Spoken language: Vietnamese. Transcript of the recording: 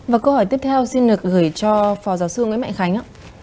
và câu hỏi tiếp theo xin được gửi cho phò giáo sư nguyễn mạnh khánh